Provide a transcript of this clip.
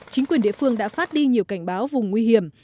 chính quyền địa phương đã phát đi nhiều cảnh báo vùng nguy hiểm